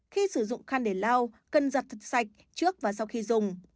khi sử dụng khăn để lao cần giặt thật sạch trước và sau khi dùng